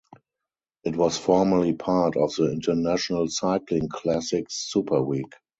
It was formerly part of the International Cycling Classic's "Superweek".